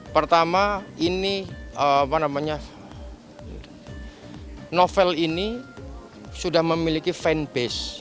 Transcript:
pertama ini apa namanya novel ini sudah memiliki fanbase